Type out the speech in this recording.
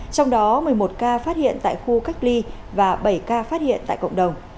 trong đó một mươi một ca phát hiện tại khu cách ly và bảy ca phát hiện tại cộng đồng